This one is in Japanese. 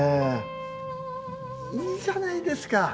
いいじゃないですか